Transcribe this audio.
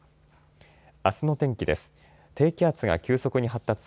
あすの天気です。